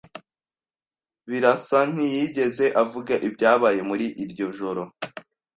Birasa ntiyigeze avuga ibyabaye muri iryo joro.